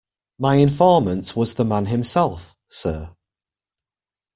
My informant was the man himself, sir.